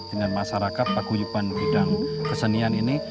dengan masyarakat paguyuban bidang kesenian ini